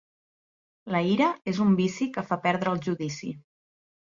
La ira és un vici que fa perdre el judici.